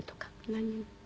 何も。